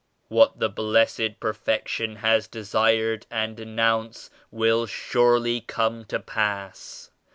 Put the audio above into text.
What the Blessed Perfection has desired and announced will surely come to pass.